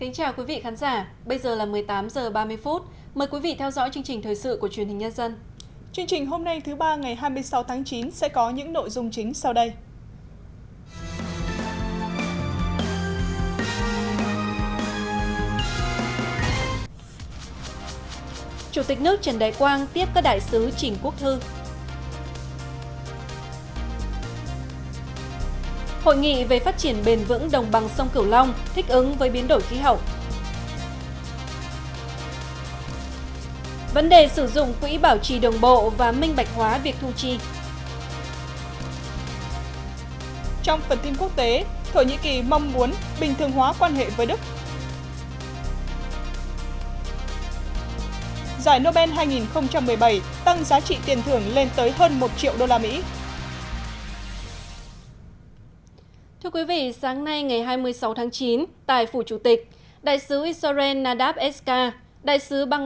chương trình hôm nay thứ ba ngày hai mươi sáu tháng chín sẽ có những nội dung chính sau đây